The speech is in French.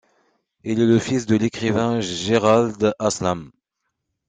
Il est le fils de l'écrivain Gerald Haslam.